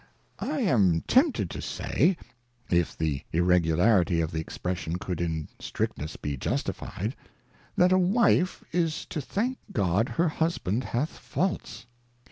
I am tempted to say (if the Irregularity of the Expression could in strictness be justified) That a Wije is to thank God her Husband hath Faults.